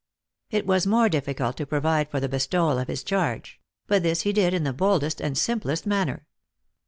It was more difficult to provide for the bestowal of his charge; but this he did in the boldest and simplest manner.